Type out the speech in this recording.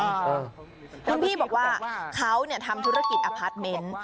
คุณพี่บอกว่าเขาเนี่ยทำธุรกิจอพาร์ทเมนต์